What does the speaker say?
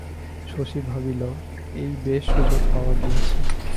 শশী ভাবিল, এই বেশ সুযোগ পাওয়া গিয়াছে।